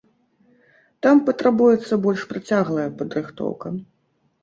Там патрабуецца больш працяглая падрыхтоўка.